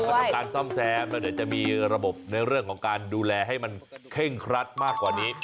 ก็ทำการซ่อมแซมแล้วเดี๋ยวจะมีระบบในเรื่องของการดูแลให้มันเคร่งครัดมากกว่านี้